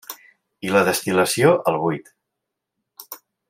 I la destil·lació al buit.